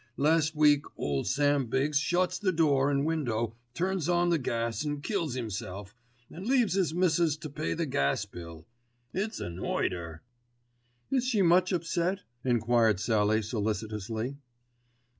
Last week ole Sam Biggs shuts the door an' window, turns on the gas, an' kills 'imself, an' leaves 'is missus to pay the gas bill. It's annoyed 'er." "Is she much upset?" enquired Sallie solicitously.